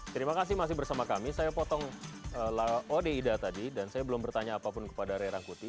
saya masih bersama kami saya potong laode ida tadi dan saya belum bertanya apapun kepada rey rangkuti